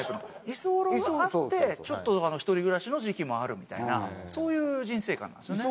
居候があってちょっと一人暮らしの時期もあるみたいなそういう人生観なんだよね。